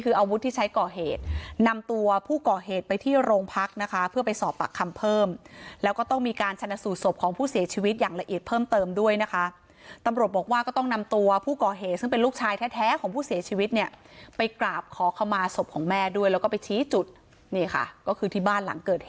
คืออาวุธที่ใช้ก่อเหตุนำตัวผู้ก่อเหตุไปที่โรงพักนะคะเพื่อไปสอบปากคำเพิ่มแล้วก็ต้องมีการชนะสูตรศพของผู้เสียชีวิตอย่างละเอียดเพิ่มเติมด้วยนะคะตำรวจบอกว่าก็ต้องนำตัวผู้ก่อเหตุซึ่งเป็นลูกชายแท้ของผู้เสียชีวิตเนี่ยไปกราบขอขมาศพของแม่ด้วยแล้วก็ไปชี้จุดนี่ค่ะก็คือที่บ้านหลังเกิดเหตุ